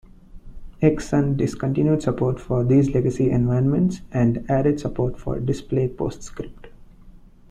Xsun discontinued support for these legacy environments, and added support for Display PostScript.